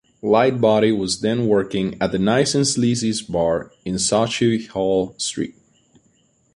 Lightbody was then working at the Nice n Sleazy's Bar in Sauchiehall Street.